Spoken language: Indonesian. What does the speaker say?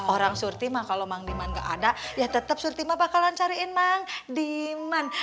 orang surti mah kalo mang diman nggak ada ya tetep surti mah bakalan cariin mang diman